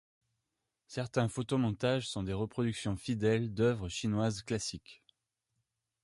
Certains photomontages sont des reproductions fidèles d'œuvres chinoises classiques.